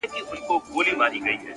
مثبت فکر ذهن روښانه ساتي